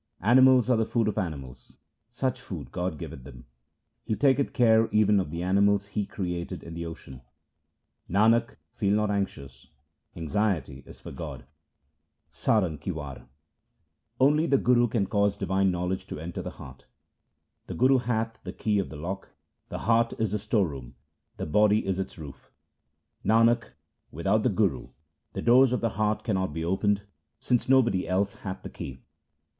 Animals are the food of animals, such food God giveth them ; Hetaketh care even of the animals He created in the ocean. Nanak, feel not anxious — anxiety is for God. Sarang ki War Only the Guru can cause divine knowledge to enter the heart :— Literally — Even though one speak a hundred times. SLOKS OF GURU ANGAD 53 The Guru hath the key of the lock, the heart is the store room, the body is its roof ; Nanak, without the Guru the doors of the heart cannot be opened, since nobody else hath the key.